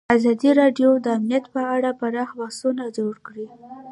ازادي راډیو د امنیت په اړه پراخ بحثونه جوړ کړي.